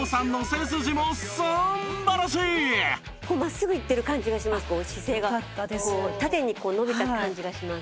真っすぐいってる感じがします。